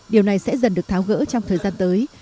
điều này sẽ dần được tháo gỡ trong thời gian tới